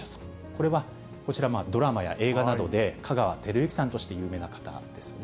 これは、こちらはドラマや映画などで、香川照之さんとして有名な方ですね。